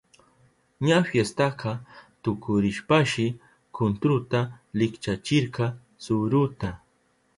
Ña fiestaka tukurishpanshi kuntruka likchachirka suruta.